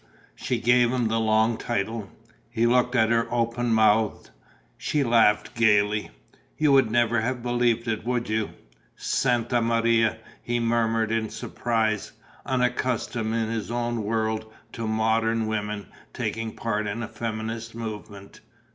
She gave him the long title. He looked at her open mouthed. She laughed gaily: "You would never have believed it, would you?" "Santa Maria!" he murmured in surprise, unaccustomed in his own world to "modern" women, taking part in a feminist movement.